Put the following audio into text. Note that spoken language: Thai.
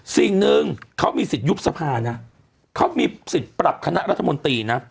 สิ่งหนึ่งเขามีสิทธิยุบสภานะเขามีสิทธิ์ปรับคณะรัฐมนตรีนะ